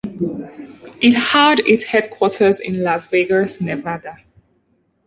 It had its headquarters in Las Vegas, Nevada.